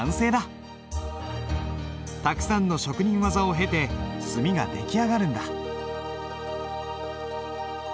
たくさんの職人技を経て墨が出来上がるんだ。